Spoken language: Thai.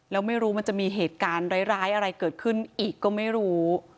แล้วไม่รู้มันจะมีเหตุการณ์ร้ายอะไรเกิดขึ้นอีกก็ไม่รู้